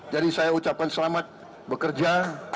jadi saya ucapkan selamat bekerja